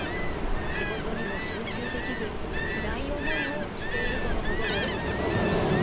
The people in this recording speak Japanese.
仕事にも集中できずつらい思いをしているとのことです。